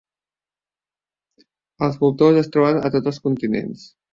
Els voltors es troben a tots els continents.